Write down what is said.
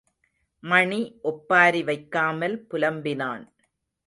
மணி ஒப்பாரி வைக்காமல் புலம்பினான்.